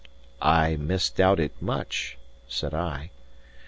"I misdoubt it much," said I.